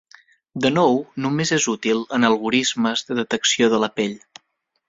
De nou, només és útil en algorismes de detecció de la pell.